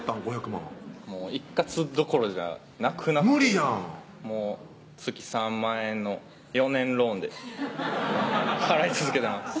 ５００万もう一括どころじゃなくなって無理やん月３万円の４年ローンで払い続けてます